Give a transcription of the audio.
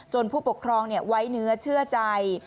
ผู้ปกครองไว้เนื้อเชื่อใจ